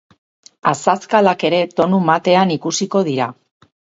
Azazkalak ere tonu matean ikusiko dira.